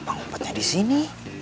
kenapa ngumpetnya di sini